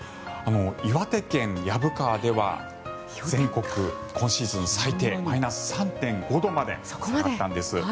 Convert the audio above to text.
岩手県の薮川では全国今シーズン最低マイナス３．５度まで下がったんです。